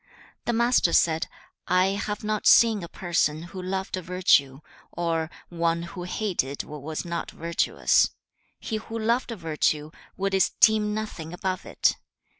1. The Master said, 'I have not seen a person who loved virtue, or one who hated what was not virtuous. He who loved virtue, would esteem nothing above it.